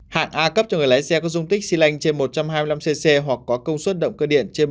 hạng a cấp cho người lái xe có dung tích xy lanh trên một trăm hai mươi năm cc hoặc có công suất động cơ điện trên ba mươi